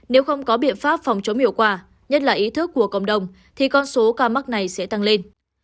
nếu không có biện pháp phòng chống hiệu quả nhất là ý thức của cộng đồng thì con số ca mắc này sẽ tăng lên